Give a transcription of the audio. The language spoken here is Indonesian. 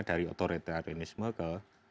dari otoritas organisme ke